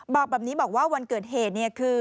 บอกแบบนี้บอกว่าวันเกิดเหตุเนี่ยคือ